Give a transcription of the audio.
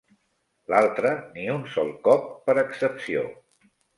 L’altre, ni un sol cop per excepció